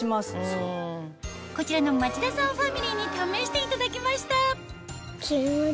こちらの町田さんファミリーに試していただきました